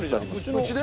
うちで？